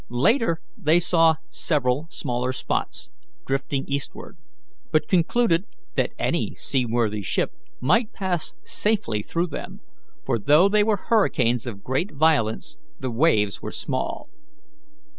Later they saw several smaller spots drifting eastward, but concluded that any seaworthy ship might pass safely through them, for, though they were hurricanes of great violence, the waves were small.